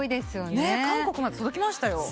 韓国まで届きましたよ。